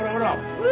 うわ！